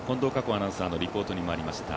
アナウンサーのリポートにもありました